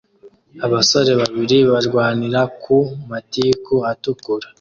Abasore babiri barwanira ku matiku atukura